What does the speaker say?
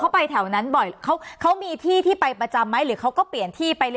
เขาไปแถวนั้นบ่อยเขามีที่ที่ไปประจำไหมหรือเขาก็เปลี่ยนที่ไป